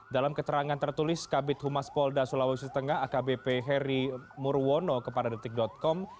dalam keterangan tertulis kabit humas polda sulawesi tengah akbp heri murwono kepada detik com